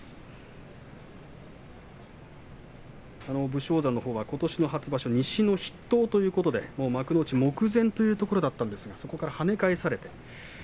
武将山のほうは、ことしの夏場所西の筆頭ということで幕内目前というところだったんですがそこから跳ね返されました。